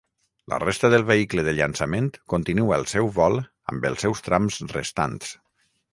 La resta del vehicle de llançament continua el seu vol amb els seus trams restants.